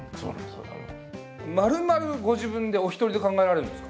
まるまるご自分でお一人で考えられるんですか？